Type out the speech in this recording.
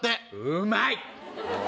うまい！